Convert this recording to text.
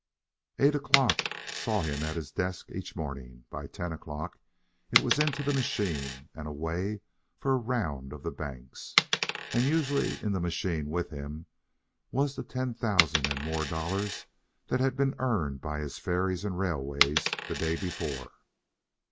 Eight o'clock saw him at his desk each morning. By ten o'clock, it was into the machine and away for a round of the banks. And usually in the machine with him was the ten thousand and more dollars that had been earned by his ferries and railways the day before.